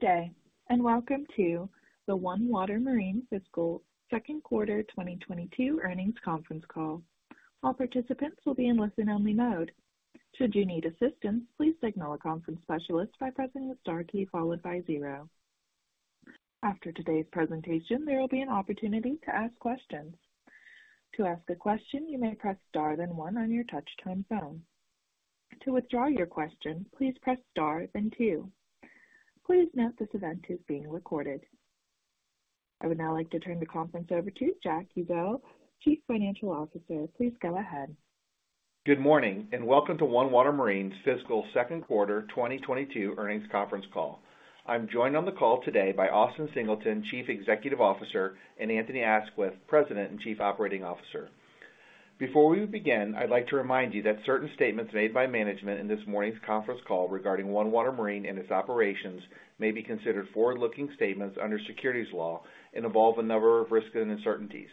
Good day, and welcome to the OneWater Marine Fiscal Second Quarter 2022 Earnings Conference Call. All participants will be in listen-only mode. Should you need assistance, please signal a conference specialist by pressing the star key followed by zero. After today's presentation, there will be an opportunity to ask questions. To ask a question, you may press star then one on your touchtone phone. To withdraw your question, please press star then two. Please note this event is being recorded. I would now like to turn the conference over to Jack Ezzell, Chief Financial Officer. Please go ahead. Good morning, and welcome to OneWater Marine's Fiscal Second Quarter 2022 Earnings Conference Call. I'm joined on the call today by Austin Singleton, Chief Executive Officer, and Anthony Aisquith, President and Chief Operating Officer. Before we begin, I'd like to remind you that certain statements made by management in this morning's conference call regarding OneWater Marine and its operations may be considered forward-looking statements under securities law and involve a number of risks and uncertainties.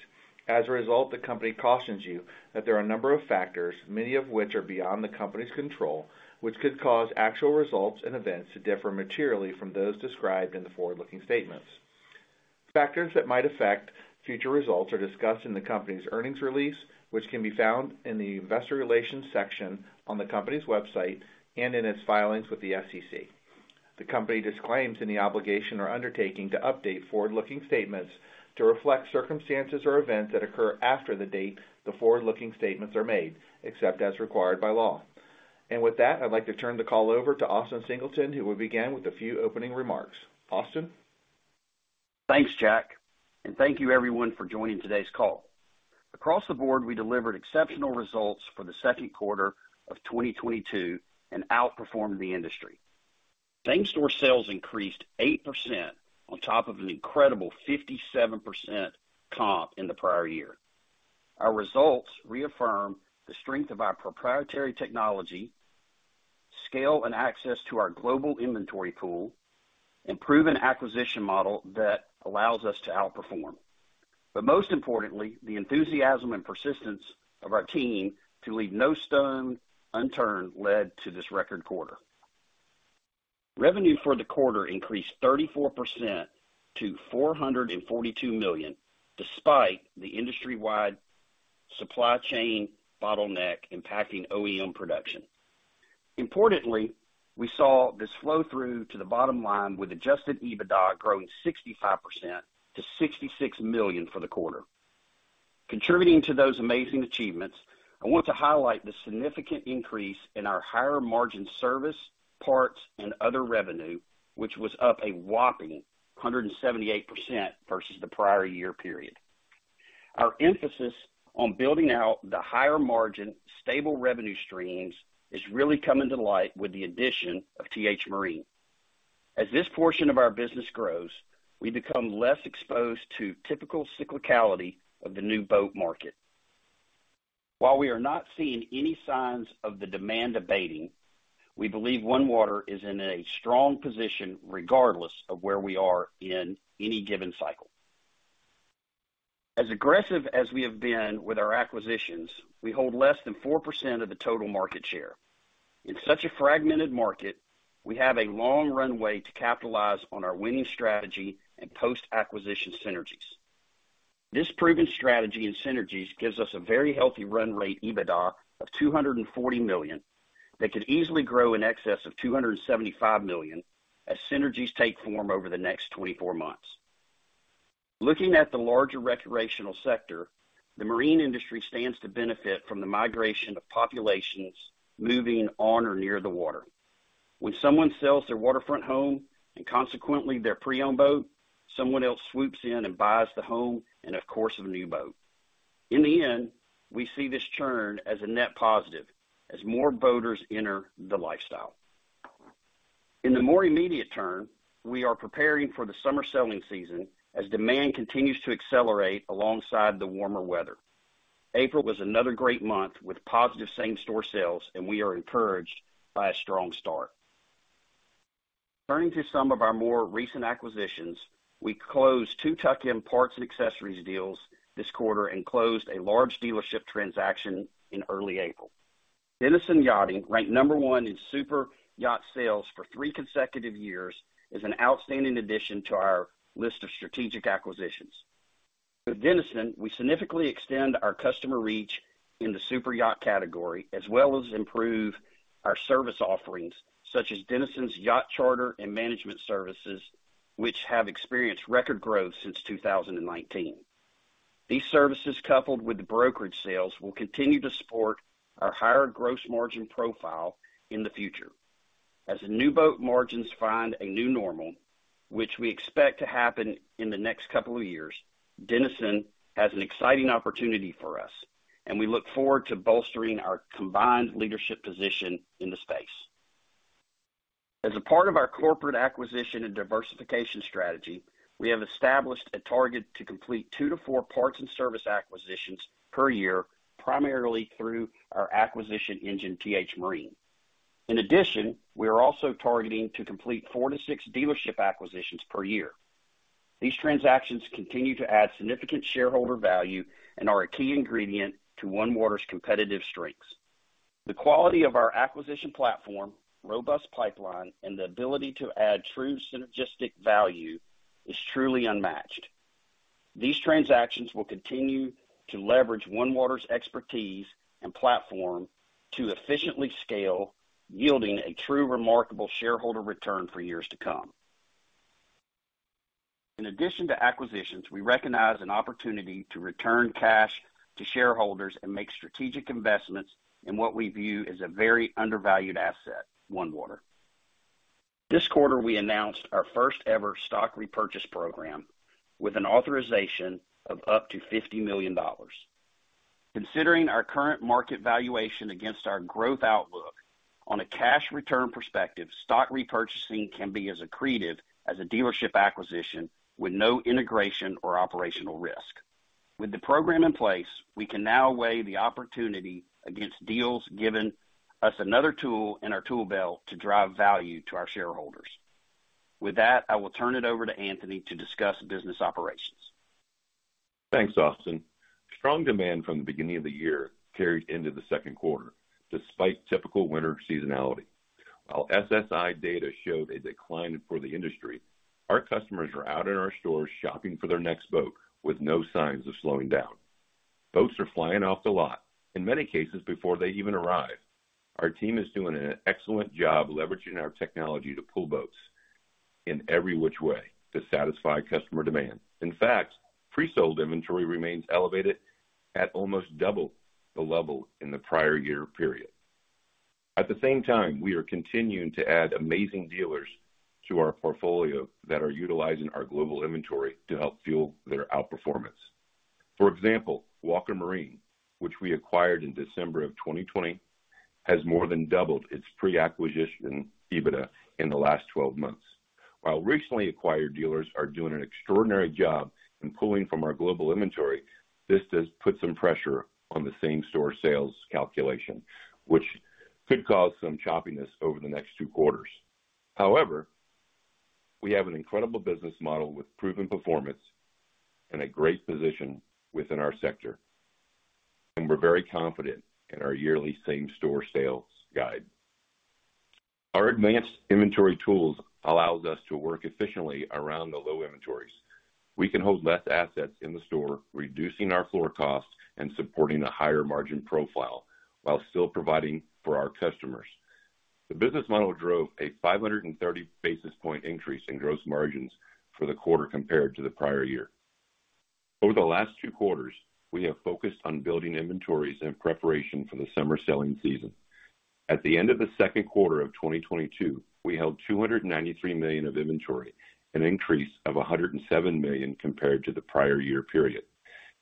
As a result, the company cautions you that there are a number of factors, many of which are beyond the company's control, which could cause actual results and events to differ materially from those described in the forward-looking statements. Factors that might affect future results are discussed in the company's earnings release, which can be found in the investor relations section on the company's website and in its filings with the SEC. The company disclaims any obligation or undertaking to update forward-looking statements to reflect circumstances or events that occur after the date the forward-looking statements are made, except as required by law. With that, I'd like to turn the call over to Austin Singleton, who will begin with a few opening remarks. Austin? Thanks, Jack, and thank you everyone for joining today's call. Across the board, we delivered exceptional results for the second quarter of 2022 and outperformed the industry. Same-store sales increased 8% on top of an incredible 57% comp in the prior year. Our results reaffirm the strength of our proprietary technology, scale and access to our global inventory pool, and proven acquisition model that allows us to outperform. Most importantly, the enthusiasm and persistence of our team to leave no stone unturned led to this record quarter. Revenue for the quarter increased 34% to $442 million, despite the industry-wide supply chain bottleneck impacting OEM production. Importantly, we saw this flow through to the bottom line with adjusted EBITDA growing 65% to $66 million for the quarter. Contributing to those amazing achievements, I want to highlight the significant increase in our higher-margin service, parts, and other revenue, which was up a whopping 178% versus the prior year period. Our emphasis on building out the higher-margin, stable revenue streams is really coming to light with the addition of T-H Marine. As this portion of our business grows, we become less exposed to typical cyclicality of the new boat market. While we are not seeing any signs of the demand abating, we believe OneWater is in a strong position regardless of where we are in any given cycle. As aggressive as we have been with our acquisitions, we hold less than 4% of the total market share. In such a fragmented market, we have a long runway to capitalize on our winning strategy and post-acquisition synergies. This proven strategy and synergies gives us a very healthy run rate EBITDA of $240 million that could easily grow in excess of $275 million as synergies take form over the next 24 months. Looking at the larger recreational sector, the marine industry stands to benefit from the migration of populations moving on or near the water. When someone sells their waterfront home and consequently their pre-owned boat, someone else swoops in and buys the home and of course, a new boat. In the end, we see this churn as a net positive as more boaters enter the lifestyle. In the more immediate term, we are preparing for the summer selling season as demand continues to accelerate alongside the warmer weather. April was another great month with positive same-store sales, and we are encouraged by a strong start. Turning to some of our more recent acquisitions, we closed two tuck-in parts and accessories deals this quarter and closed a large dealership transaction in early April. Denison Yachting, ranked number 1 in super yacht sales for three consecutive years, is an outstanding addition to our list of strategic acquisitions. With Denison, we significantly extend our customer reach in the super yacht category, as well as improve our service offerings, such as Denison's yacht charter and management services, which have experienced record growth since 2019. These services, coupled with the brokerage sales, will continue to support our higher gross margin profile in the future. As the new boat margins find a new normal, which we expect to happen in the next couple of years, Denison has an exciting opportunity for us, and we look forward to bolstering our combined leadership position in the space. As a part of our corporate acquisition and diversification strategy, we have established a target to complete two-four parts and service acquisitions per year, primarily through our acquisition engine, T-H Marine. In addition, we are also targeting to complete four-six dealership acquisitions per year. These transactions continue to add significant shareholder value and are a key ingredient to OneWater's competitive strengths. The quality of our acquisition platform, robust pipeline, and the ability to add true synergistic value is truly unmatched. These transactions will continue to leverage OneWater's expertise and platform to efficiently scale, yielding a true remarkable shareholder return for years to come. In addition to acquisitions, we recognize an opportunity to return cash to shareholders and make strategic investments in what we view as a very undervalued asset, OneWater. This quarter, we announced our first-ever stock repurchase program with an authorization of up to $50 million. Considering our current market valuation against our growth outlook on a cash return perspective, stock repurchasing can be as accretive as a dealership acquisition with no integration or operational risk. With the program in place, we can now weigh the opportunity against deals, giving us another tool in our tool belt to drive value to our shareholders. With that, I will turn it over to Anthony to discuss business operations. Thanks, Austin. Strong demand from the beginning of the year carried into the second quarter despite typical winter seasonality. While SSI data show a decline for the industry, our customers are out in our stores shopping for their next boat with no signs of slowing down. Boats are flying off the lot, in many cases before they even arrive. Our team is doing an excellent job leveraging our technology to pull boats in every which way to satisfy customer demand. In fact, pre-sold inventory remains elevated at almost double the level in the prior year period. At the same time, we are continuing to add amazing dealers to our portfolio that are utilizing our global inventory to help fuel their outperformance. For example, Walker Marine Group, which we acquired in December of 2020, has more than doubled its pre-acquisition EBITDA in the last twelve months. While recently acquired dealers are doing an extraordinary job in pulling from our global inventory, this does put some pressure on the same-store sales calculation, which could cause some choppiness over the next two quarters. However, we have an incredible business model with proven performance and a great position within our sector. We're very confident in our yearly same-store sales guide. Our advanced inventory tools allows us to work efficiently around the low inventories. We can hold less assets in the store, reducing our floor costs and supporting a higher margin profile while still providing for our customers. The business model drove a 530 basis point increase in gross margins for the quarter compared to the prior year. Over the last two quarters, we have focused on building inventories in preparation for the summer selling season. At the end of the second quarter of 2022, we held $293 million of inventory, an increase of $107 million compared to the prior year period.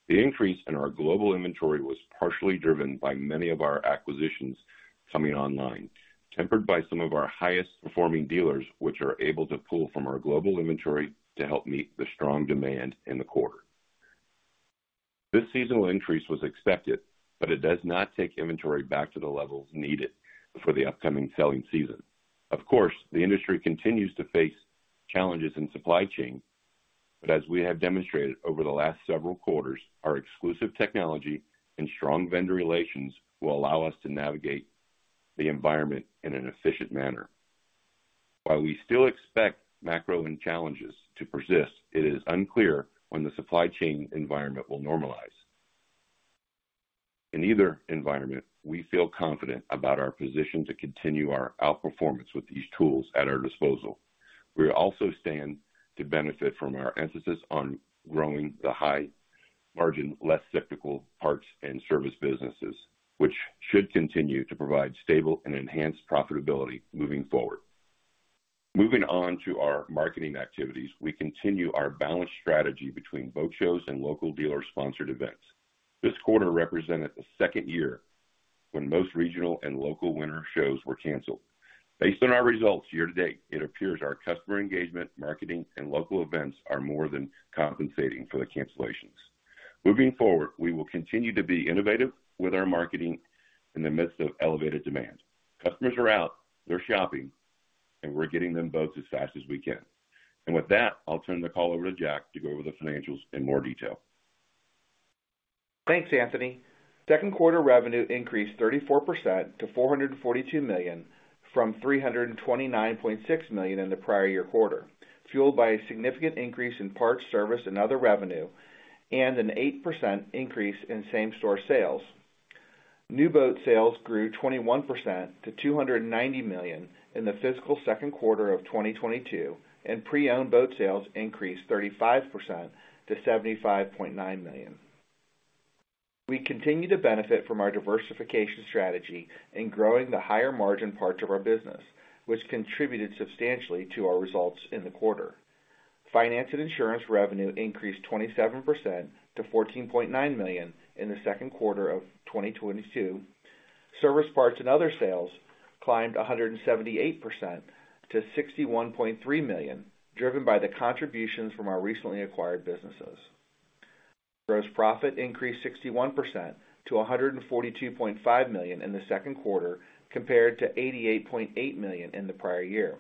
The increase in our global inventory was partially driven by many of our acquisitions coming online, tempered by some of our highest-performing dealers, which are able to pull from our global inventory to help meet the strong demand in the quarter. This seasonal increase was expected, but it does not take inventory back to the levels needed for the upcoming selling season. Of course, the industry continues to face challenges in supply chain. As we have demonstrated over the last several quarters, our exclusive technology and strong vendor relations will allow us to navigate the environment in an efficient manner. While we still expect macro headwind challenges to persist, it is unclear when the supply chain environment will normalize. In either environment, we feel confident about our position to continue our outperformance with these tools at our disposal. We also stand to benefit from our emphasis on growing the high margin, less cyclical parts and service businesses, which should continue to provide stable and enhanced profitability moving forward. Moving on to our marketing activities, we continue our balanced strategy between boat shows and local dealer-sponsored events. This quarter represented the second year when most regional and local winter shows were canceled. Based on our results year-to-date, it appears our customer engagement, marketing, and local events are more than compensating for the cancellations. Moving forward, we will continue to be innovative with our marketing in the midst of elevated demand. Customers are out, they're shopping, and we're getting them boats as fast as we can. With that, I'll turn the call over to Jack to go over the financials in more detail. Thanks, Anthony. Second quarter revenue increased 34% to $442 million from $329.6 million in the prior year quarter, fueled by a significant increase in parts, service, and other revenue, and an 8% increase in same-store sales. New boat sales grew 21% to $290 million in the fiscal second quarter of 2022, and pre-owned boat sales increased 35% to $75.9 million. We continue to benefit from our diversification strategy in growing the higher-margin parts of our business, which contributed substantially to our results in the quarter. Finance and insurance revenue increased 27% to $14.9 million in the second quarter of 2022. Service parts and other sales climbed 178% to $61.3 million, driven by the contributions from our recently acquired businesses. Gross profit increased 61% to $142.5 million in the second quarter compared to $88.8 million in the prior year,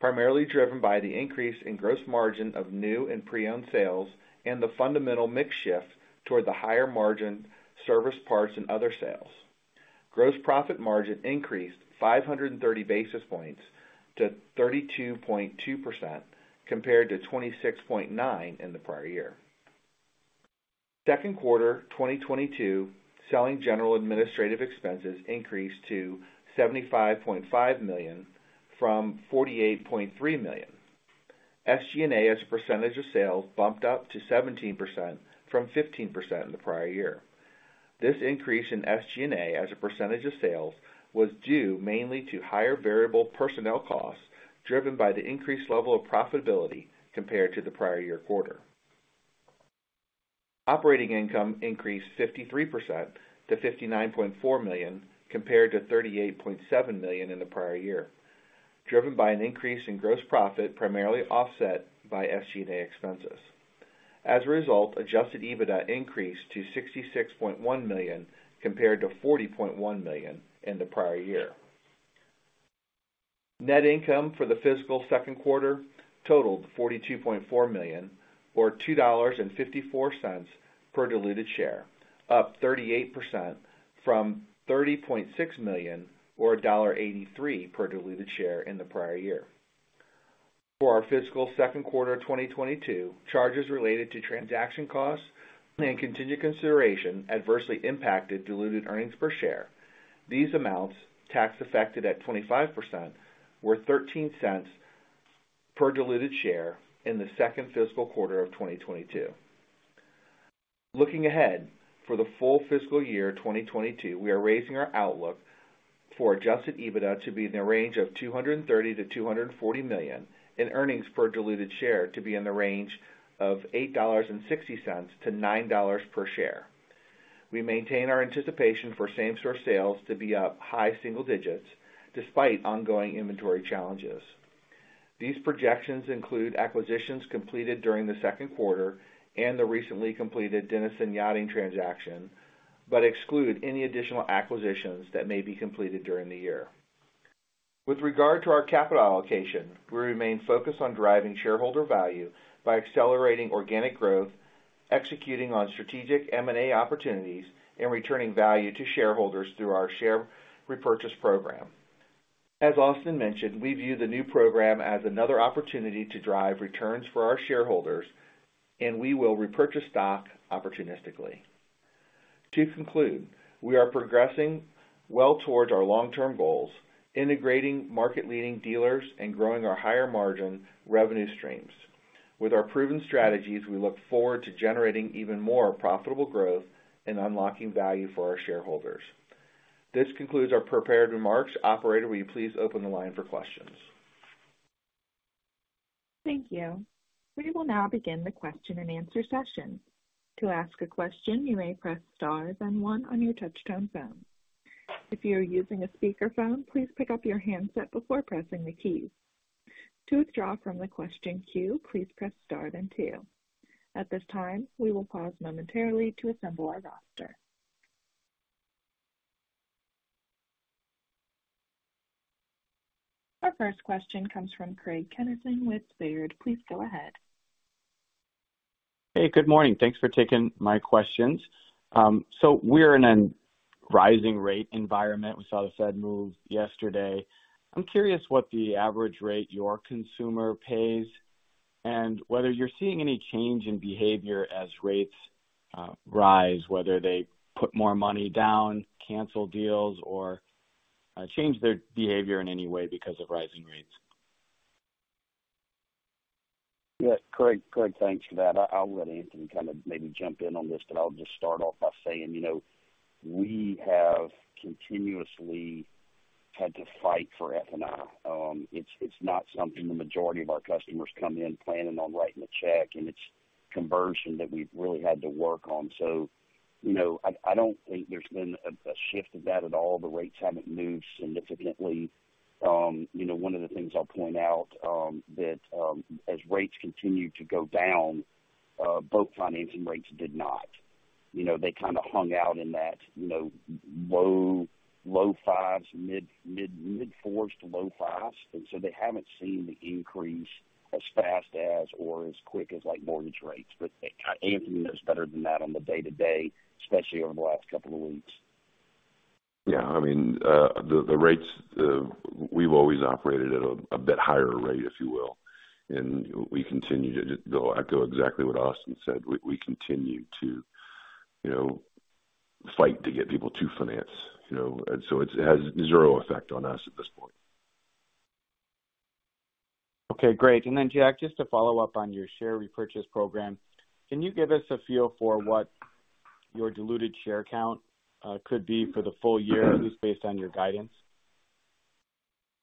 primarily driven by the increase in gross margin of new and pre-owned sales and the fundamental mix shift toward the higher margin service parts and other sales. Gross profit margin increased 530 basis points to 32.2% compared to 26.9% in the prior year. Second quarter 2022, selling, general and administrative expenses increased to $75.5 million from $48.3 million. SG&A as a percentage of sales bumped up to 17% from 15% in the prior year. This increase in SG&A as a percentage of sales was due mainly to higher variable personnel costs driven by the increased level of profitability compared to the prior year quarter. Operating income increased 53% to $59.4 million compared to $38.7 million in the prior year, driven by an increase in gross profit primarily offset by SG&A expenses. As a result, adjusted EBITDA increased to $66.1 million compared to $40.1 million in the prior year. Net income for the fiscal second quarter totaled $42.4 million, or $2.54 per diluted share, up 38% from $30.6 million or $1.83 per diluted share in the prior year. For our fiscal second quarter 2022, charges related to transaction costs and continued consideration adversely impacted diluted earnings per share. These amounts, tax affected at 25%, were $0.13 per diluted share in the second fiscal quarter of 2022. Looking ahead, for the full fiscal year 2022, we are raising our outlook for adjusted EBITDA to be in the range of $230 million-$240 million, and earnings per diluted share to be in the range of $8.60-$9.00 per share. We maintain our anticipation for same-store sales to be up high single digits despite ongoing inventory challenges. These projections include acquisitions completed during the second quarter and the recently completed Denison Yachting transaction, but exclude any additional acquisitions that may be completed during the year. With regard to our capital allocation, we remain focused on driving shareholder value by accelerating organic growth, executing on strategic M&A opportunities, and returning value to shareholders through our share repurchase program. As Austin mentioned, we view the new program as another opportunity to drive returns for our shareholders, and we will repurchase stock opportunistically. To conclude, we are progressing well towards our long-term goals, integrating market-leading dealers and growing our higher margin revenue streams. With our proven strategies, we look forward to generating even more profitable growth and unlocking value for our shareholders. This concludes our prepared remarks. Operator, will you please open the line for questions? Thank you. We will now begin the question and answer session. To ask a question, you may press Star then one on your touchtone phone. If you are using a speakerphone, please pick up your handset before pressing the keys. To withdraw from the question queue, please press Star then two. At this time, we will pause momentarily to assemble our roster. Our first question comes from Craig Kennison with Baird. Please go ahead. Hey, good morning. Thanks for taking my questions. We're in a rising rate environment. We saw the Fed move yesterday. I'm curious what the average rate your consumer pays and whether you're seeing any change in behavior as rates rise, whether they put more money down, cancel deals or change their behavior in any way because of rising rates. Yeah. Craig, thanks for that. I'll let Anthony kind of maybe jump in on this, but I'll just start off by saying, you know, we have continuously had to fight for F&I. It's not something the majority of our customers come in planning on writing a check, and it's conversion that we've really had to work on. You know, I don't think there's been a shift of that at all. The rates haven't moved significantly. You know, one of the things I'll point out, that as rates continue to go down, boat financing rates did not. You know, they kinda hung out in that, you know, low fives, mid-fours to low fives. They haven't seen the increase as fast as or as quick as like mortgage rates. Anthony knows better than that on the day-to-day, especially over the last couple of weeks. Yeah. I mean, the rates, we've always operated at a bit higher rate, if you will. You know, I'll echo exactly what Austin said. We continue to, you know, fight to get people to finance, you know. It has zero effect on us at this point. Okay, great. Jack, just to follow up on your share repurchase program, can you give us a feel for what your diluted share count could be for the full year, at least based on your guidance?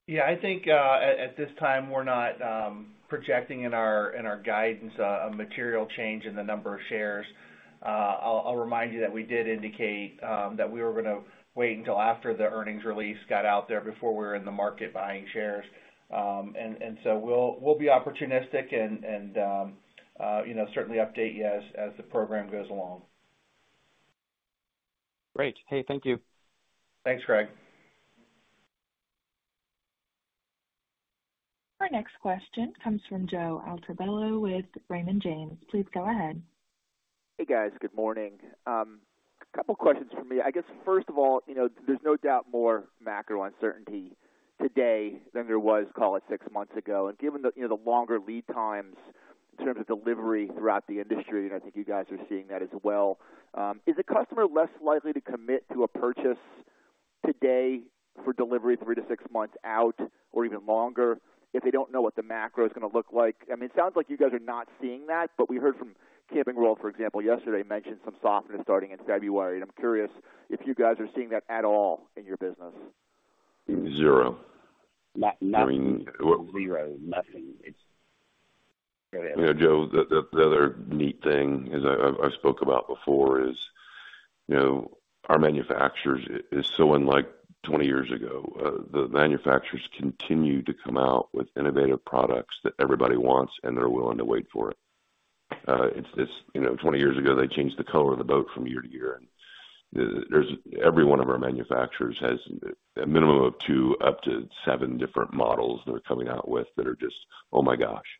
Yeah. I think at this time, we're not projecting in our guidance a material change in the number of shares. Remind you that we did indicate that we were gonna wait until after the earnings release got out there before we were in the market buying shares. We'll be opportunistic and you know, certainly update you as the program goes along. Great. Hey, thank you. Thanks, Craig. Our next question comes from Joe Altobello with Raymond James. Please go ahead. Hey, guys. Good morning. A couple questions for me. I guess, first of all, you know, there's no doubt more macro uncertainty today than there was, call it, six months ago. Given the, you know, the longer lead times in terms of delivery throughout the industry, and I think you guys are seeing that as well, is the customer less likely to commit to a purchase today for delivery three to six months out or even longer if they don't know what the macro is gonna look like? I mean, it sounds like you guys are not seeing that, but we heard from Camping World, for example, yesterday, mention some softness starting in February. I'm curious if you guys are seeing that at all in your business. Zero. No-nothing. I mean. Zero, nothing. Go ahead. You know, Joe, the other neat thing I spoke about before is, you know, our manufacturers is so unlike 20 years ago. The manufacturers continue to come out with innovative products that everybody wants, and they're willing to wait for it. You know, 20 years ago, they changed the color of the boat from year to year. Every one of our manufacturers has a minimum of two up to seven different models they're coming out with that are just, oh my gosh.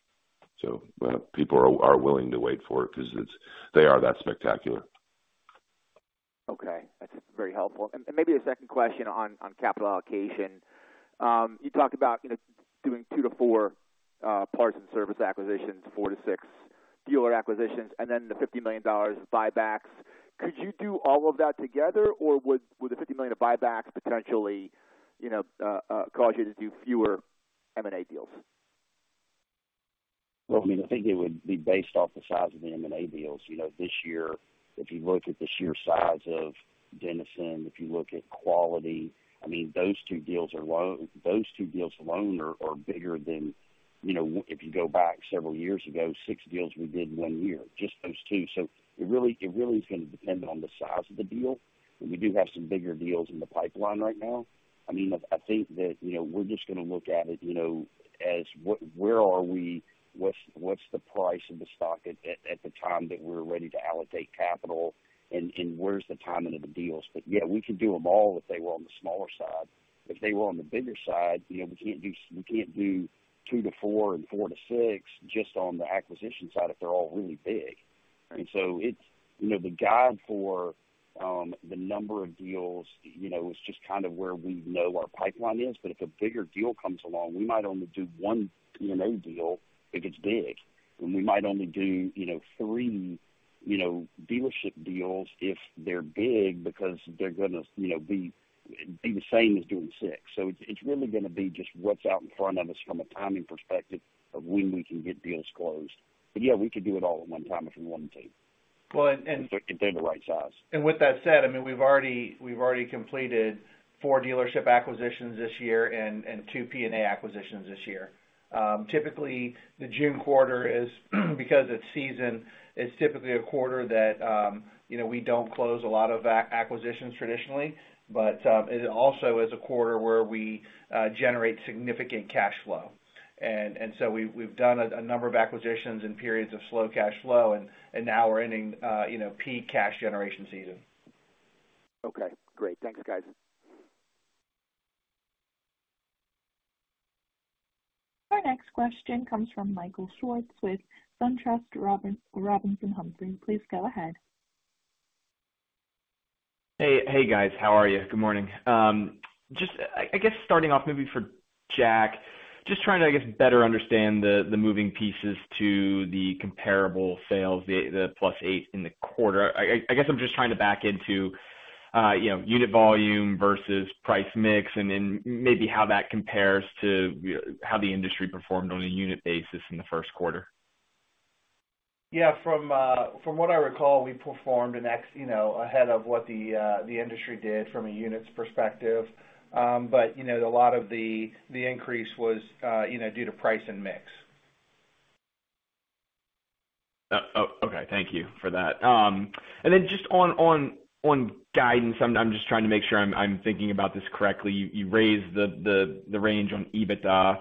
People are willing to wait for it because they are that spectacular. Okay, that's very helpful. Maybe a second question on capital allocation. You talked about, you know, doing two-four parts and service acquisitions, four-six dealer acquisitions, and then the $50 million buybacks. Could you do all of that together, or would the $50 million of buybacks potentially, you know, cause you to do fewer M&A deals? Well, I mean, I think it would be based off the size of the M&A deals. You know, this year, if you look at the sheer size of Denison, if you look at Quality, I mean, those two deals alone are bigger than, you know, if you go back several years ago, six deals we did one year, just those two. It really is gonna depend on the size of the deal, but we do have some bigger deals in the pipeline right now. I mean, I think that, you know, we're just gonna look at it, you know, as where are we? What's the price of the stock at the time that we're ready to allocate capital, and where's the timing of the deals? Yeah, we could do them all if they were on the smaller side. If they were on the bigger side, you know, we can't do two-four and four-six just on the acquisition side if they're all really big. It's you know, the guide for the number of deals, you know, is just kind of where we know our pipeline is. If a bigger deal comes along, we might only do one P&A deal if it's big. We might only do, you know, three, you know, dealership deals if they're big because they're gonna, you know, be the same as doing six. It's really gonna be just what's out in front of us from a timing perspective of when we can get deals closed. Yeah, we could do it all at one time if we wanted to. Well. If they're the right size. With that said, I mean, we've already completed four dealership acquisitions this year and two P&A acquisitions this year. Typically, the June quarter is, because it's season, it's typically a quarter that, you know, we don't close a lot of acquisitions traditionally, but, it also is a quarter where we generate significant cash flow. So we've done a number of acquisitions in periods of slow cash flow, and now we're ending, you know, peak cash generation season. Okay, great. Thanks, guys. Our next question comes from Michael Swartz with Truist Securities. Please go ahead. Hey, hey, guys. How are you? Good morning. Just, I guess starting off maybe for Jack, just trying to, I guess, better understand the moving pieces to the comparable sales, the +8% in the quarter. I guess I'm just trying to back into, you know, unit volume versus price mix, and then maybe how that compares to how the industry performed on a unit basis in the first quarter. Yeah. From what I recall, we performed ahead of what the industry did from a units perspective. You know, a lot of the increase was due to price and mix. Okay. Thank you for that. Just on guidance, I'm just trying to make sure I'm thinking about this correctly. You raised the range on EBITDA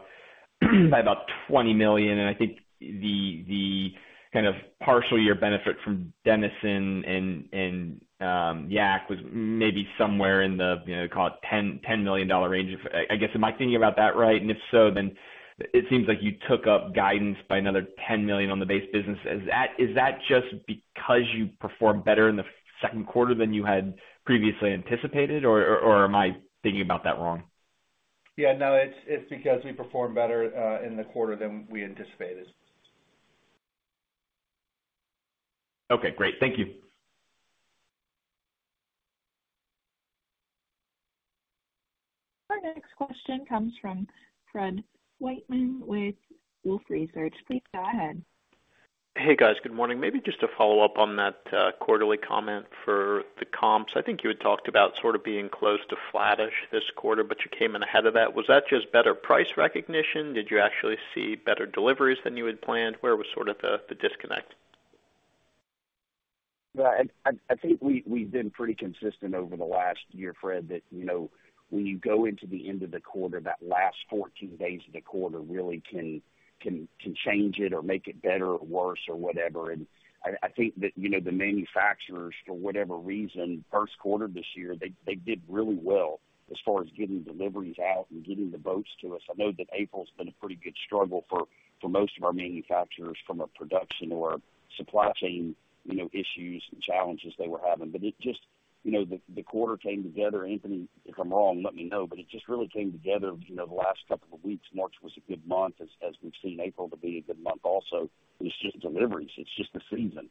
by about $20 million, and I think the kind of partial year benefit from Denison and Walker was maybe somewhere in the, you know, call it $10 million range. I guess, am I thinking about that right? If so, then it seems like you took up guidance by another $10 million on the base business. Is that just because you performed better in the second quarter than you had previously anticipated, or am I thinking about that wrong? Yeah, no, it's because we performed better in the quarter than we anticipated. Okay, great. Thank you. Our next question comes from Fred Wightman with Wolfe Research. Please go ahead. Hey, guys. Good morning. Maybe just to follow up on that, quarterly comment for comps, I think you had talked about sort of being close to flattish this quarter, but you came in ahead of that. Was that just better price recognition? Did you actually see better deliveries than you had planned? Where was sort of the disconnect? Well, I think we've been pretty consistent over the last year, Fred, that, you know, when you go into the end of the quarter, that last 14 days of the quarter really can change it or make it better or worse or whatever. I think that, you know, the manufacturers, for whatever reason, first quarter this year, they did really well as far as getting deliveries out and getting the boats to us. I know that April's been a pretty good struggle for most of our manufacturers from a production or supply chain, you know, issues and challenges they were having. It just, you know, the quarter came together. Anthony, if I'm wrong, let me know, but it just really came together, you know, the last couple of weeks. March was a good month as we've seen April to be a good month also. It's just deliveries, it's just the season.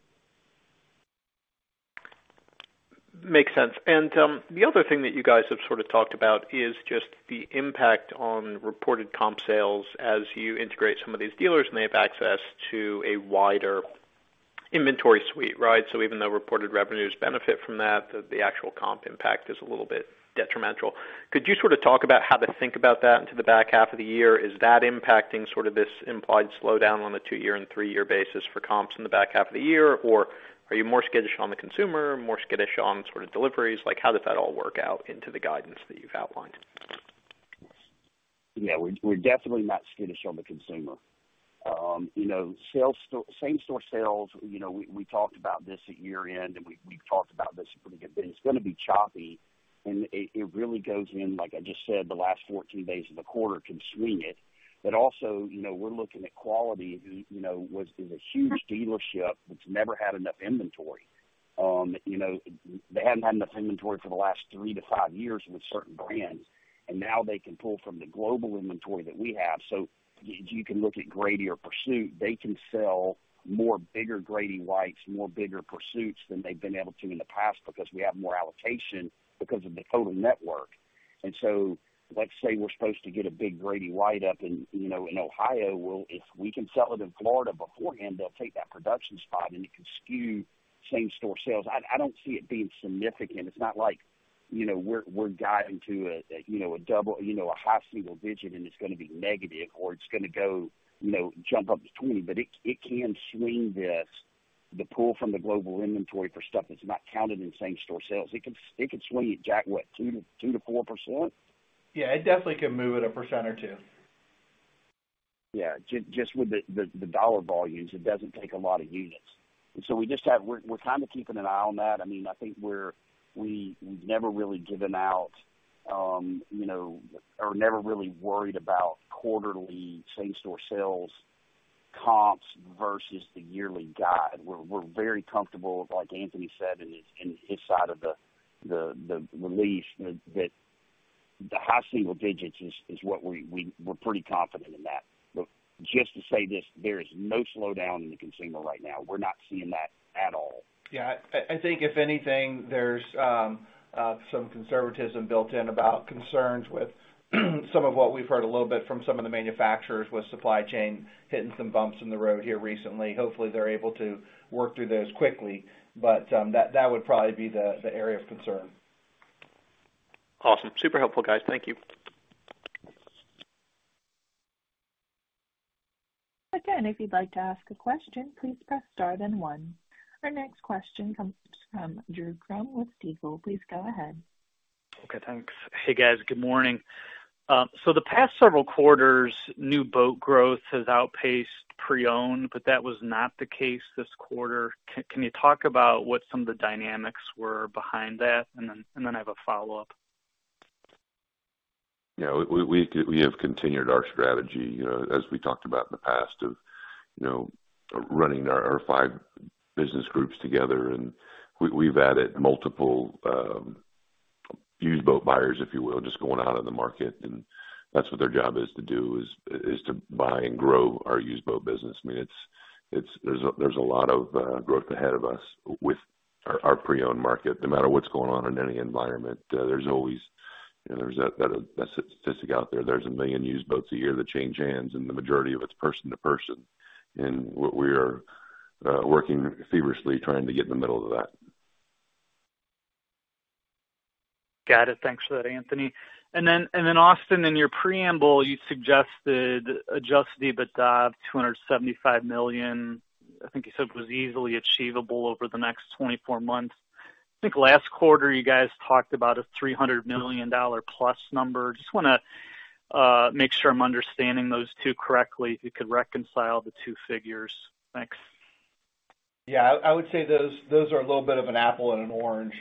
Makes sense. The other thing that you guys have sort of talked about is just the impact on reported comp sales as you integrate some of these dealers and they have access to a wider inventory suite, right? Even though reported revenues benefit from that, the actual comp impact is a little bit detrimental. Could you sort of talk about how to think about that into the back half of the year? Is that impacting sort of this implied slowdown on the two-year and three-year basis for comps in the back half of the year? Or are you more skittish on the consumer, more skittish on sort of deliveries? Like, how does that all work out into the guidance that you've outlined? Yeah, we're definitely not skittish on the consumer. You know, sales still same-store sales, you know, we talked about this at year-end, and we've talked about this a pretty good bit. It's gonna be choppy, and it really goes in, like I just said, the last 14 days of the quarter can swing it. Also, you know, we're looking at quality. You know, was it a huge dealership that's never had enough inventory? You know, they hadn't had enough inventory for the last three-five years with certain brands, and now they can pull from the global inventory that we have. So you can look at Grady-White or Pursuit, they can sell more bigger Grady-Whites, more bigger Pursuits than they've been able to in the past because we have more allocation because of the total network. Let's say we're supposed to get a big Grady-White up in, you know, in Ohio. Well, if we can sell it in Florida beforehand, they'll take that production spot and it can skew same-store sales. I don't see it being significant. It's not like, you know, we're guiding to a high single digit and it's gonna be negative or it's gonna go, you know, jump up to 20. It can swing this, the pull from the global inventory for stuff that's not counted in same-store sales. It can swing it, Jack, what? 2%-4%? Yeah, it definitely can move it 1% or two. Yeah. Just with the dollar volumes, it doesn't take a lot of units. We just have. We're kind of keeping an eye on that. I mean, I think we've never really given out, you know, or never really worried about quarterly same-store sales comps versus the yearly guide. We're very comfortable, like Anthony said in his side of the release, that the high single digits% is what we. We're pretty confident in that. Just to say this, there is no slowdown in the consumer right now. We're not seeing that at all. Yeah. I think if anything, there's some conservatism built in about concerns with some of what we've heard a little bit from some of the manufacturers with supply chain hitting some bumps in the road here recently. Hopefully, they're able to work through those quickly. That would probably be the area of concern. Awesome. Super helpful, guys. Thank you. Again, if you'd like to ask a question, please press Star then One. Our next question comes from Drew Graham with Stifel. Please go ahead. Okay, thanks. Hey, guys. Good morning. So the past several quarters, new boat growth has outpaced pre-owned, but that was not the case this quarter. Can you talk about what some of the dynamics were behind that? And then I have a follow-up. You know, we have continued our strategy, you know, as we talked about in the past, of, you know, running our five business groups together. We've added multiple used boat buyers, if you will, just going out on the market, and that's what their job is to do is to buy and grow our used boat business. I mean, it's. There's a lot of growth ahead of us with our pre-owned market. No matter what's going on in any environment, there's always, you know, there's that statistic out there. There's 1 million used boats a year that change hands, and the majority of it's person to person. We are working feverishly trying to get in the middle of that. Got it. Thanks for that, Anthony. Austin, in your preamble, you suggested adjusted EBITDA of $275 million. I think you said it was easily achievable over the next 24 months. I think last quarter you guys talked about a $300 million plus number. Just wanna make sure I'm understanding those two correctly. If you could reconcile the two figures? Thanks. Yeah. I would say those are a little bit of an apple and an orange.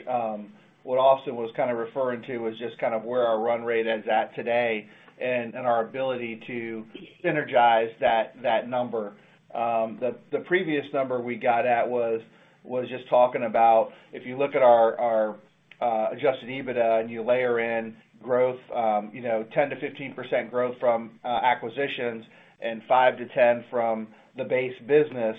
What Austin was kind of referring to was just kind of where our run rate is at today and our ability to synergize that number. The previous number we got at was just talking about if you look at our adjusted EBITDA and you layer in growth, you know, 10%-15% growth from acquisitions and 5%-10% from the base business,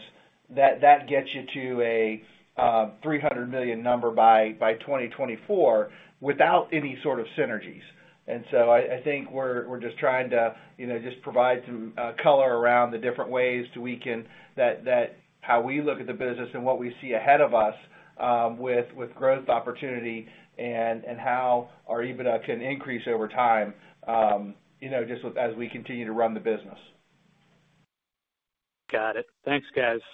that gets you to a $300 million number by 2024 without any sort of synergies. I think we're just trying to, you know, just provide some color around the different ways how we look at the business and what we see ahead of us, with growth opportunity and how our EBITDA can increase over time, you know, just as we continue to run the business. Got it. Thanks, guys.